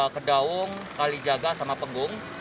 kedaung kali jaga sama penggung